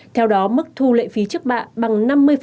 theo đó mức thu lệ phí trước bạ bằng năm mươi